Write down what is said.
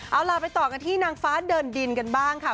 เอาล่ะไปต่อกันที่นางฟ้าเดินดินกันบ้างค่ะ